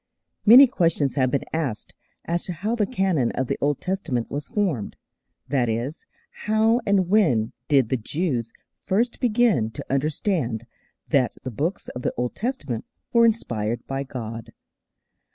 Many questions have been asked as to how the canon of the Old Testament was formed that is, how and when did the Jews first begin to understand that the Books of the Old Testament were inspired by God.